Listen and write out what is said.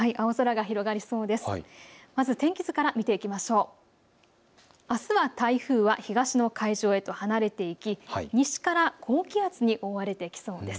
あすは台風は東の海上へと離れていき、西から高気圧に覆われてきそうです。